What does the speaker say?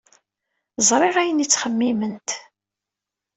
Ẓriɣ ayen ay ttxemmiment.